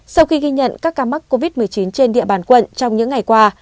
sau khi ghi nhận các ca mắc covid một mươi chín trên địa bàn quận trong những ngày qua